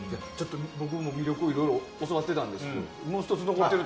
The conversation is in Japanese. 僕も魅了をいろいろ教わっていたんですが、最後に。